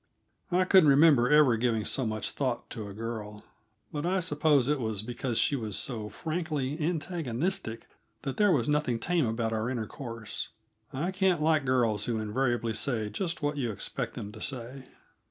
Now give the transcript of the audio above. I couldn't remember ever giving so much thought to a girl; but I suppose it was because she was so frankly antagonistic that there was nothing tame about our intercourse. I can't like girls who invariably say just what you expect them to say.